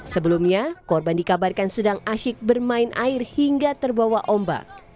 sebelumnya korban dikabarkan sedang asyik bermain air hingga terbawa ombak